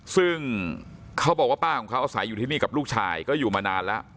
ซึ่งเขาบอกว่าป้าของเขาอาศัยอยู่ที่นี่กับลูกชายก็อยู่มานานแล้ว